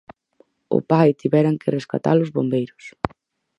Ao pai tiveran que rescatalo os bombeiros.